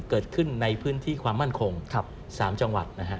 เกิดขึ้นในพื้นที่ความมั่นคง๓จังหวัดนะฮะ